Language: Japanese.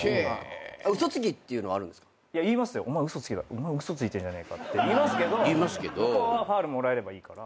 「お前嘘ついてんじゃねえか」って言いますけどファウルもらえればいいから。